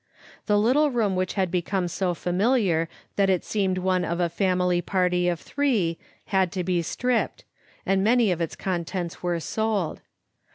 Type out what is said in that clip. The little room which had become so familiar that it seemed one of a family party of three had to be stripped, and many of its con tents were sold.